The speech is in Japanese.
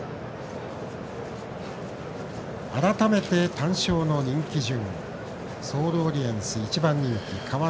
改めて単勝の人気順。